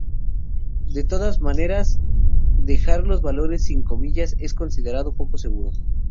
De todas maneras, dejar los valores sin comillas es considerado poco seguro.